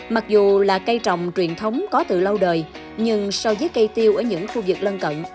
mặc dù là cây trồng truyền thống có từ lâu đời nhưng so với cây tiêu ở những khu vực lân cận